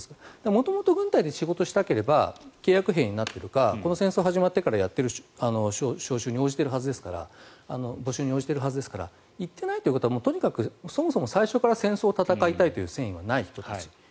元々、軍隊で仕事をしたければ契約兵になっているかこの戦争が始まってからやっている招集や募集に応じているはずですから行っていないということはとにかく、そもそも戦争を戦いたいという戦意は最初からない人たち。